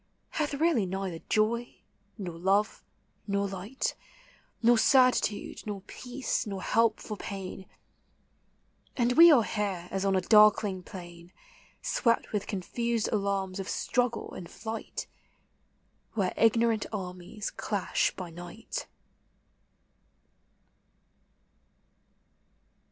Hath really neither joy, nor love, nor light, Nor certitude, nor peace, nor help for pain; And we are here as on a darkling plain Swept with cod fused alarms of struggle and flight, Where ignorant armies clash by night.